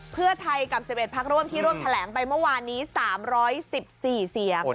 เพื่อไทยกับ๑๑พักร่วมที่ร่วมแถลงไปเมื่อวานนี้๓๑๔เสียง